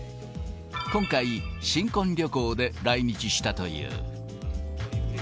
今回、新婚旅行で来日したという。